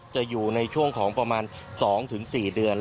จะอยู่ในช่วงของประมาณ๒๔เดือน